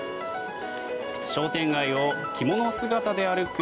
商店街を着物姿で歩く